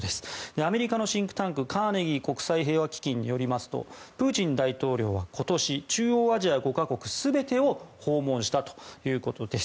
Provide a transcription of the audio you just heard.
アメリカのシンクタンクカーネギー国際平和基金によりますとプーチン大統領は今年中央アジア５か国全てを訪問したということです。